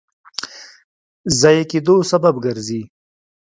ضایع کېدو سبب ګرځي.